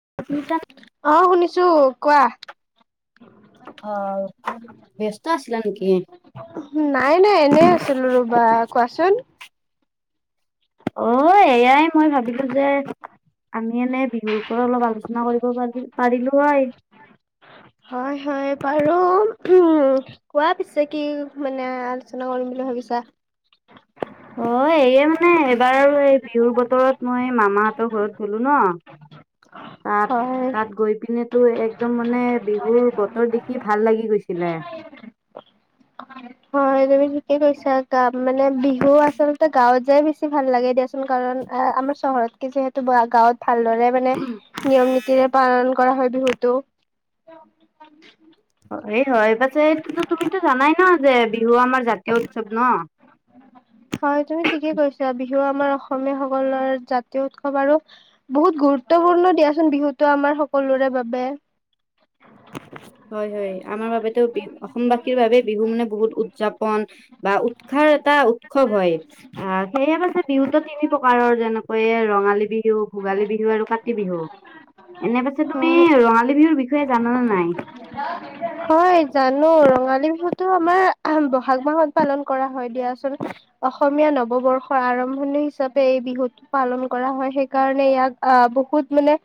[unintelligible] ছো, কোৱা। অ', ব্যস্ত আছিলা নেকি? নাই নাই, এনেই আছিলোঁ ৰ'বা, কোৱাচোন। অ', এয়াই মই ভাবিলো যে আমি এনেই বিহুৰ উপৰত অলপ আলোচনা কৰিব পাৰি-পাৰিলো হয়। হয় হয়, বাৰু, কোৱা পিছে কি মানে আলোচনা কৰিম বুলি ভাবিছা অ', এইয়ে মানে এইবাৰ আৰু এই বিহুৰ বতৰত মই মামাহঁতৰ ঘৰত গ'লো ন তাত, হয় তাত গৈ পিনেতো একদম মানে বিহুৰ বতৰ দেখি ভাল লাগি গৈছে। ছিলে [unintelligible] হয়, তুমি ঠিকেই কৈছা, গা-মানে বিহু আচলতে গাঁৱত যাই বেছি ভাল লাগে দিয়াচো কাৰণ আমাৰ চহৰতকে যিহেতু বৰা-গাঁৱত ভালদৰে মানে নিয়ম নীতিৰে পালন কৰা হয় বিহুটো। [inaudible] এই হয়, পাছে এইটোতো তুমিতো জানাই ন, যে বিহু আমাৰ জাতীয় উৎসৱ ন হয়, তুমি ঠিকেই কৈছা, বিহ বিহু আমাৰ অসমীয়াসকলৰ জাতীয় উৎসৱ আৰু বহুত গুৰুত্বপূৰ্ণ দিয়াচোন বিহুতো আমাৰ সকলোৰে বাবে হয় হয়, আমাৰ বাবেতো বি, অসমবাসীৰ বাবেই বিহু মানে বহুত উদযাপন বা উৎসাহৰ এটা উৎসৱ হয়, আ, সেয়েহে পাছে বিহুত তিনি প্ৰকাৰৰ যেনেকৈ ৰ ৰঙালী বিহু, ভোগালী বিহু আৰু কাতি বিহু, এনে পাছে তুমি হয় ৰঙালী বিহুৰ বিষয় হয় জানো, ৰঙালী বি বিহুতো আমাৰ বহাগ মাহত পালন কৰা হয় দিয়া চোন, অসমীয়া নৱবৰ্ষৰ আৰম ম্ভনি হিচাপে এই বিহুটো পালন কৰা হয়, সেইকাৰণে ইয়াক অ' বহুত মানে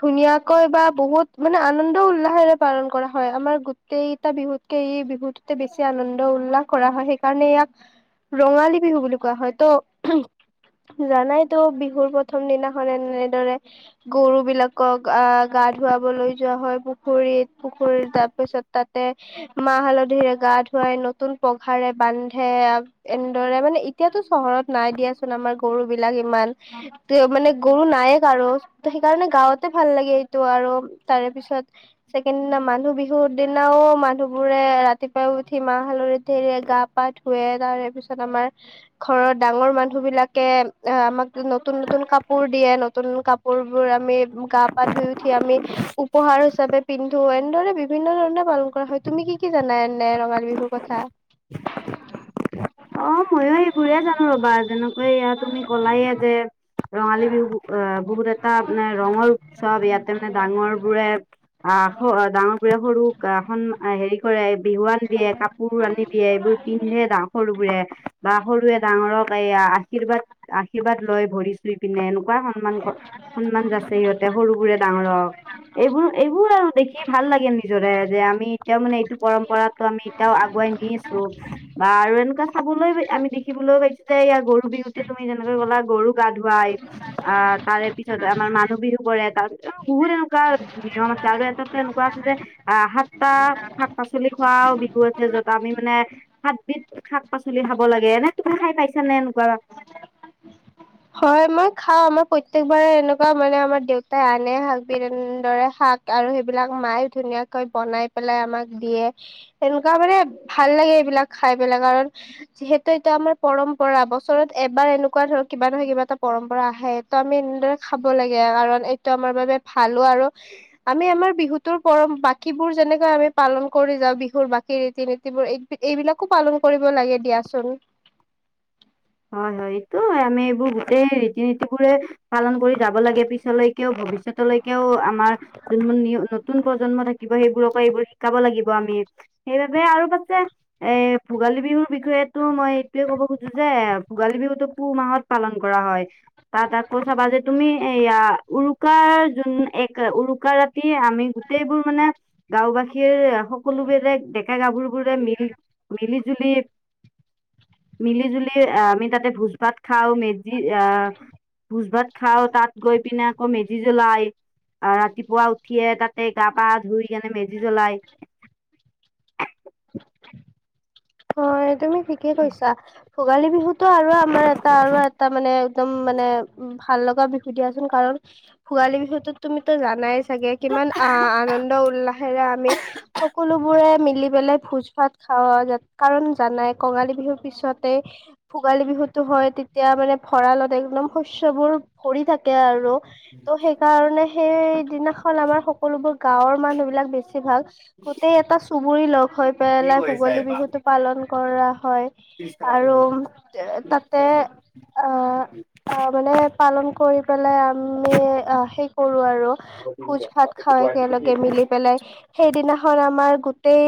ধুনীয়া কৈ বা বহুত মানে আনন্দ উল্লাহেৰে পালন কৰা হয়, আমাৰ গোটেকেইটা বিহুতকে এই বিহুটোতে বেছি আনন্দ উল্লাস কৰা হয়, সেইকাৰণে ইয়াক ৰঙালী বিহু বুলি কোৱা হয়, ত' জানাইতো, বিহুৰ প্ৰথম দিনাখন এনেদৰে গৰু বিলাকক আ' গা ধুৱা লৈ যোৱা হয় পুখুৰীত, পুখুৰীত তাৰ পিছত তাতে মাহ হালধিৰে গা ধুৱাই নতুন পঘাৰে বান্ধে, এনেদৰে মানে এতিয়াতো চহৰত নাই দিয়াচোন আমাৰ গৰু বিলা বিলাক ইমান, ত' মানে গৰু নাইয়ে কাৰো, ত' সেইকাৰণে গাওঁতেই ভাল লাগে এইটো আৰু তাৰে পিছত ছেকেণ্ড দিনা মানুহ বিহুৰ দিনাও মানুহ বোৰে ৰাতিপুৱাই উঠি মাহ হাল হালধিৰে গা-পা ধোৱে, তাৰেপিচত আমাৰ ঘৰৰ ডাঙৰ মানুহবিলাকে আমাক নতুন নতুন কাপোৰ দিয়ে, নতুন কাপোৰ বোৰ আমি গা-পা ধুই উঠি আমি উপহাৰ হিচাপে পিন্ধো, এনেদৰে বিভিন্ন ধৰণে পালন কৰা হয়, তুমি কি কি জানা এনে ৰঙালী বিহুৰ কথা? [inaudible] অ ময়ো সেইবোৰে জানো ৰবা যেনেকৈ এয়া তুমি কলায়ে যে ৰঙালী বিহু আহ বহুত এটা মানে ৰঙৰ উৎসৱ ইয়াতে মানে ডাঙৰ বোৰে, আ', ডাঙৰ বোৰে সৰুক সন-হেৰি কৰে বিহুৱান দিয়ে, কাপ কাপোৰ আনি দিয়ে, এইবোৰ পিন্ধে ডাঙ-সৰুবোৰে বা সৰুৱে ডাঙৰক এইয়া আশীৰ্বাদ-আশীৰ্বাদ লয় ভৰি চুই পিনে, এনে সন্মান-সন্মান যাছে সিহঁতে সৰুবোৰে ডাঙৰক, এইবোৰ-এইবোৰ আৰু দেখি ভাল লাগে নিজৰে, যে আমি এতিয়াও মানে এইটো পৰম্পৰাটো আমি এতিয়াও আগুৱাই নিছোঁ, বা আৰু এনেকুৱা চব লৈ আমি দেখিবলৈও পাইছোঁ যে ইয়াৰ গৰু বিহুতে তুমি যেনেকৈ ক'লা গৰু গা ধুৱাই, আহ তাৰে পিছত আমাৰ মানুহ বিহু কৰে, তাৰ পিছত বহুত এনেকুৱা নিয়ম আছে আৰু এটাতো এনেকুৱা আছে যে আ, সাতটা শাক পাচলি খোৱাও বিহু আছে, য'ত আমি মানে সাতবিধ শাক পাচলি খাব লাগে, এনে তুমি খাই পাইছা নে এনেকুৱা? হয় মই খাওঁ, আমাৰ প্ৰত্যেকবাৰে এনেকুৱা মানে আমাৰ দেউতাই আনে সাতবিধ এনেদৰে শাক আৰু সেইবিলাক মায়েও ধুনীয়াকৈ বনাই পেলাই আমাক দিয়ে, তেনেকুৱা মানে ভাল লাগে এইবিলাক খাই পেলাই, কাৰন যিহেতু এইটো আমাৰ পৰম্পৰা, বছৰত এবাৰ এনেকুৱা ধৰক কিবা নহয়, কিবা এটা পৰম্পৰা আহে। এইটো আমি এনেদৰে খাব লাগে, কাৰণ এইটো আমাৰ বাবে ভাল আৰু আমি আমাৰ বিহুৰটোৰ পৰম, বাকীবোৰ যেনেকৈ আমি পালন কৰি যাওঁ, বিহুৰ বাকী ৰীতি-নীতি বোৰ এইবিলাকো পালন কৰিব লাগে দিয়াচোন। হয় হয়, এইটোও হয়। আমি এইবোৰ গোটেই ৰীতি-নীতিবোৰে পালন কৰি যাব লাগে, পিছলৈকেও, ভৱিষ্যতলৈকেও আমাৰ যোনবোৰ নিউ, নতুন প্ৰজন্ম থাকিব ত', সেইবোৰৰ পৰা এইবোৰ শিকাব লাগিব আমি। সেইবাবেই আৰু পাছে, এ', ভোগালী বিহুৰ বিষয়ে তো মই এইটোৱেই ক'ব খোজো যে ভোগালী বিহুতো পুহ মাহত পালন কৰা হয়। তাত আকৌ চাবা যে, তুমি এইয়া উৰুকাৰ জোন, এক উৰুকা ৰাতি, আমি গোটেইবোৰ মানে গাঁওবাসীৰ সকলোবিলাক ডেকা-গাভৰুবোৰে মিল-মিলি জুলি, মিলি-জুলি, আ আমি তাতে ভোজ-ভাত খাওঁ, মেজি আ ভোজ-ভাত খাওঁ, তাত গৈ পিনে আকৌ মেজি জ্বলাই আ, ৰাতিপুৱা উঠিয়েই তাতে গা-পা ধুই কেনে মেজি জ্বলাই [inaudible] হয়, তুমি ঠিকেই কৈছা। ভোগালী বিহুতো আৰু আমাৰ এটা, আৰু এটা মানে একদম মানে, উম, ভাল লগা বিহু দিয়াচোন। কাৰণ ভোগালী বিহুটোত তুমিতো জানাই চাগে কিমান আনন্দ-উল্লাসেৰে আমি সকলোবোৰে মি মিলি পেলাই ভোজ-ভাত খাওঁ আৰু যাত কাৰণ জানাই, কঙালী বিহুৰ পিছতে ভোগালী বিহুতো হয়। তেতিয়া মানে ভঁৰালত [unintelligible] একদম, শস্যবোৰ ভৰি থাকে আৰু ত', সেইকাৰণে সেই যিদিনাখন আমাৰ সকলোবোৰ গাঁৱৰ মানুহবিলাক, বেছিভাগ গোটেই এটা চুবুৰী লগ হৈ পেল কি কৰিছা এইবাৰ? কৰা হয় আৰু উম তাতে অ' অ' মানে পালন কৰি পেলাই আমি অ' সেই কৰোঁ আৰু ভোজ-ভাত খাওঁ একেলগে মিলি পেলাই সেইদিনাখন আমাৰ গোট টেই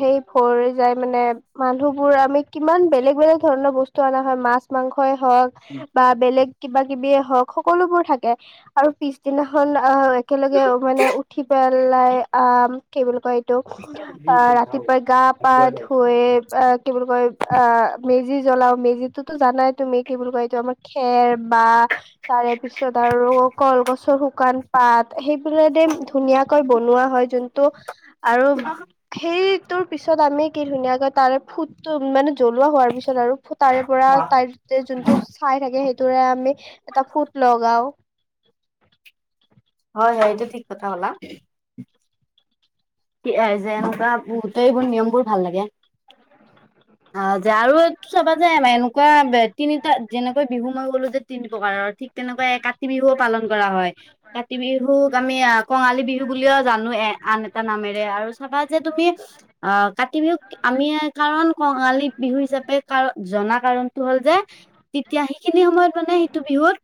সেই ভৰি যায় মানে মানুহবোৰ আমি কিমান বেলেগ বেলেগ ধৰণৰ বস্তু বস্তু অনা হয় মাছ মাংসই হওঁক বা বেলেগ কিবা কিবিয়ে হওঁক সকলোবোৰ থাকে আৰু পিছদিনাখন আহ একেলগে মানে উঠি পেলাই আম কি বুলি কয় ৰাতিপুৱাই গা পা ধুৱে কি বুলি কয় অ মে মেজি জ্বলাও মেজিতটো জানাই তুমি কি বুলি কয় এইটো আমাৰ খেৰ বাহঁ তাৰে পিছত আৰু কলগছৰ শুকান পাত সেই বিলাক দিয়ে ধুনীয়াকৈ বনোৱা হয়, যোনটো আৰু সেই তোৰ পিছত আমি কি ধুনীয়াকৈ তাৰে ফুটটো মানে জ্বলোৱা হোৱাৰ পিছত আৰু তাৰে পৰা তাৰ যোনটো চাই থাকে সেইটোৰে আমি এটা ফুট লগাওঁ। হয়, হয় এইটো ঠিক কথা ক'লা। কি যে এনেকুৱা বহুতে এইবোৰ নিয়মবোৰ ভাল লাগে। আ যাওঁ উৎ সব যায় আমাৰ এনেকুৱা বে তিনিটা যেনেকৈ বিহু মই ক'লো যে তিনি প্ৰকাৰৰ ঠিক তেনেকৈ কাতি বিহুও পালন কৰা হয়। কাতি বিহুক আমি কঙালী বিহু বুলিও জানোৱে। এ আন এটা নামেৰে আৰু চাবা যে তুমি অ' কাতি বিহুক আমি কাৰণ কঙালী বিহু হিচাপে তাৰ জনা কাৰণটো হ'ল যে তেতিয়া সেইখিনি সময়ত মানে সেইটো বিহুত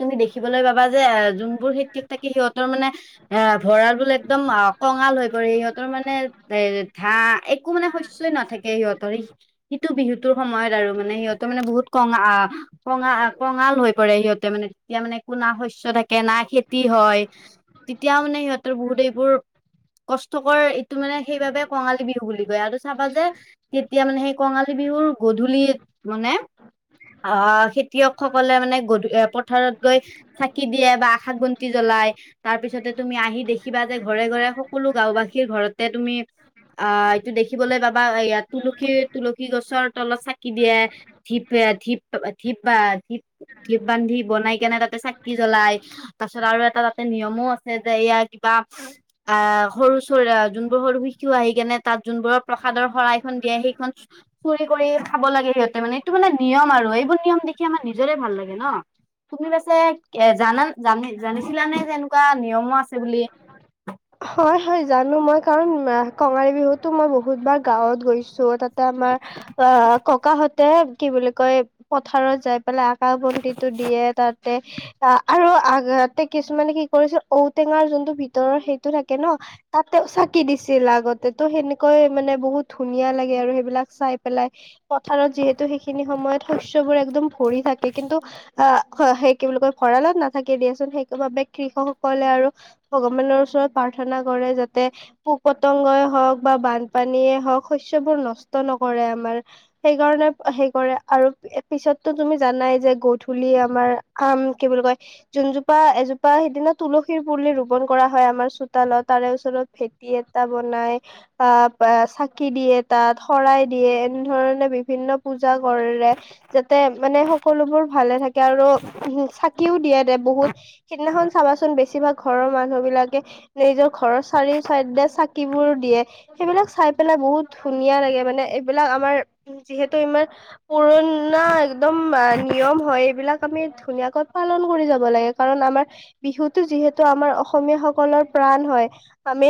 তুমি দেখিবলৈ পাবা যে এ যোনবোৰ খেতিয়ক থাকে সিহঁতৰ মানে এ ভঁৰালবোৰ একদম অ' কঙাল হৈ পৰে সিহঁতৰ মানে এ ধা একো মানে শস্যই নাথাকে সিহঁতৰ এইটো বিহুটোৰ সময়ত আৰু মানে সিহঁতে মানে বহুত কঙা কঙা কঙাল হৈ পৰে সিহঁতে মানে এতিয়া মানে কোনো না শস্য থাকে, না খেতি হয় তেতিয়া মানে সিহঁতৰ বহুত এইবোৰ কষ্টকৰ এইটো মানে সেইবাবে কঙালী বিহু বুলি কয়। আৰু চাবা যে তেতিয়া মানে সেই কঙাল কাতি বিহুৰ গধূলিত মানে অ' খেতিয়কসকলে মানে গধূলি পথাৰত গৈ চাকি দিয়ে বা আশাক বন্তি জ্বলাই। লাইট তাৰ পিছতে তুমি আহি দেখিবা যে ঘৰে ঘৰে সকলো গাওবাসীৰ ঘৰতে তুমি অ' এইটো দেখিবলৈ পাবা ইয়াত তুলসী তুলসী গছৰ তলত চাকি দিয়ে। ধিপ ধিপ পি প ধিপ বান্ধি বনাই কেনে তাতে চাকি জ্বলাই। তাৰ পাছত আৰু এটা তাতে নিয়মো আছে যে এয়া কিবা আহ সৰু চ যোনবোৰ সৰু শিশু আহি কেনে তাত যোনবোৰৰ প্ৰসাদৰ শৰাইখন দিয়ে সেইখন চুৰি কৰি খাব লাগে সিহঁতে মানে এইটো মানে নিয়ম আৰু এইবোৰ নিয়ম দেখি আমাৰ নিজৰে ভাল লাগে ন। তুমি পাছে জানা জানি জানিছিলানে যে এনেকুৱা নিয়মো আছে বুলি? হয়, হয় জানো মই কাৰণ কঙালী বিহুতো মই বহুত বাৰ গাঁৱত গৈছোঁ তাত এ আমাৰ অ' ককাহতে কি বুলি কয় পথাৰত যায় আকাশ বন্তি টো দিয়ে তাত। অ আৰু আগতে কিছুমানে কি কৰিছিল ঔটেঙাৰ যোনটো ভিতৰৰ সেই থাকে ন তাতে চাকি দিছিল আগতে তো সেনেকৈ মানে বহুত ধুনীয়া লাগে আৰু সেইবিলাক চাই পেলায় পথাৰত যিহেতু সেই খিনি সময়ত শস্য বোৰ একদম ভৰি থাকে। কিন্তু আ সেই কি বুলি কয় ভঁৰালত নাথাকে দিয়াচোন, সেইবাবে কৃষক সকলে আৰু ভগৱানৰ ওচৰত প্ৰাৰ্থনা কৰে যাতে পোক পতংগই হওঁক বা বানপানীয়ে হওঁক শস্যবোৰ নষ্ট ন কৰে আমাৰ সেইকাৰণে সেই কৰে আৰু পিছতো তুমি জানাই যে গধূলি আমাৰ আমাৰ আম কি বুলি কয় যোনজোপা এজোপা সিদিনা তুলসীৰ পুলি ৰুপন কৰা হয়। আমাৰ তাৰে ওচৰত ভেটি এটা বনাই আহ প চাকি দিয় এ তাত শৰাই দিয়ে এনেধৰণে বিভিন্ন পুজা পূজা কৰে, যাতে মানে সকলোবোৰ ভালে থাকে, আৰু চাকিও দিয়ে দে বহুত। সিদিনাখন চাবাচোন বেছিভাগ ঘৰৰ মানুহ বিলাকে নিজৰ ঘৰৰ চাৰিও চাইে চাকিবোৰ দিয়ে, সেইবিলাক চাই পেলাই বহুত ধুনীয়া লাগে মানে। এইবিলাক আমাৰ যিহেতু ইমাৰ পুৰণা একদম নিয়ম হয় এইবিলাক আ আমি ধুনীয়াকৈ পালন কৰি যাব লাগে, কাৰণ আমাৰ বিহুতো যিহেতু আমাৰ অসমীয়া সকলৰ প্ৰাণ হয়, আমি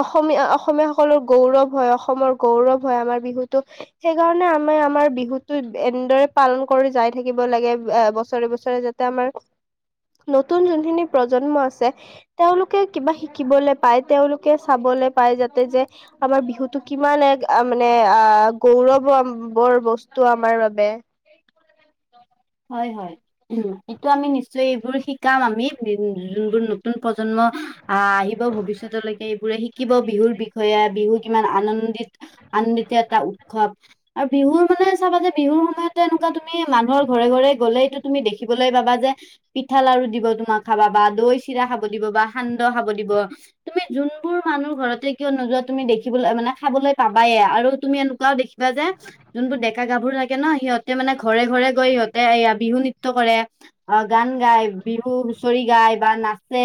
অসমীয়া অসমীয়াাসকলৰ গৌৰৱ হয়, অসমৰ গৌৰৱ হয়, আমাৰ বিহুতো, সেইকাৰণে আমি আমাৰ বিহুতো এনেদৰে পালন কৰি যাই থাকিব লাগে বছৰে বছৰে যাতে আমাৰ নতুন যোনখিনি প্ৰজন্ম আছে তেওঁলোকে কিবা শিকিবলৈ পায়, তেওঁলোকে চাবলৈ পায় যাতে যে আমাৰ বিহুতটো কিমান এক মানে গৌৰৱ বৰ বস্তু আমাৰ বাবে [inaudible] হয় হয় উ, এইটো আমি নিশ্চয় এইবোৰ শিকাম আমি, উ যোনবোৰ নতুন প্ৰজন্ম আহ আহিব ভৱিষ্যতলৈকে এইবোৰে শিক শিকিব বিহুৰ বিষয়ে, বিহু কিমান আনন্দিত আনন্দিত এটা উৎসৱ আৰু বিহুৰ চাবা যে বিহুৰ সময়তো এনেকুৱা তুমি মাঘৰ ঘৰে ঘৰে গ'লেতটো তুমি দেখিবলৈ পাবা যে পিঠা লাৰু দিব তোমাক খাবা বা দৈ চিৰা খাব দিব। বা সান্দহ খাব দিব, তুমি যোনবোৰ মানুহ ঘৰতে কিয় নোযোৱা তুমি দেখ মানে খাব প চাবায়ে আৰু তুমি এনেকুৱাও দেখিবা যে যোনবোৰ ডেকা গাভৰু থাকে ন সিহঁতে মানে ঘৰে ঘৰে সহঁতে বিহু নৃত্যয় কৰে অ' গান গায় বিহু হুঁচৰি গায় বা নাচে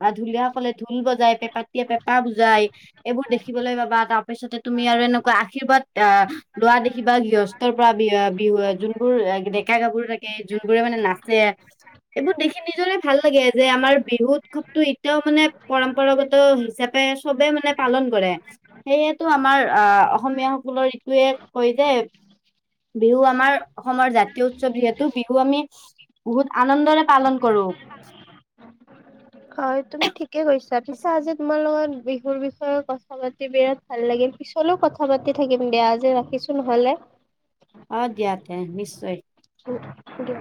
বা ধুলীয়া সকলে ধ বজাই পেঁপাীয়ে পেঁপা বুজাই এইবোৰ দেখিবলৈ পাবা তাৰ পিছতে তুমি আৰু এনেকুৱা আশীৰ্বাদ আহ লোৱা দেখি বা গৃহস্থৰ পৰা বি বিহু যোনবোৰ ডেকা থাকে যোনবোৰে মানে নাচে এইবোৰ দেখি নিজৰে ভাল লাগে, যে আমাৰ বিহু উৎসৱতটো এতিয়াও মানে পৰম্পৰাগত হিচাপে চবে মানে পালন কৰে, সেয়েতো আমাৰ আহ অসমীয়া সকলৰ [unintelligible] কয় যে বিহু আমাৰ অসমৰ জাতি উৎসৱ যিহেতু বিহু আমি বহুত আনন্দৰে পালন কৰো। হয় তুমি ঠিকে কৈছা, পিছো আজি তোমাৰ লগত মোৰ বিষয়ে কথা পাতি বিৰাট ভাল লাগিল পিছলৈও কথা পাতি থাকিম দিয়া আজি ৰাখিছো নহলে। অ' দিয়া তে নিশ্চয়। দিয়া